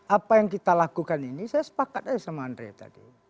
apa yang kita lakukan ini saya sepakat aja sama andre tadi